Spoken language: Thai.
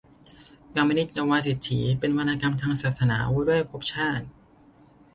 กามนิตกับวาสิฎฐี เป็นวรรณกรรมทางศาสนาว่าด้วยภพชาติ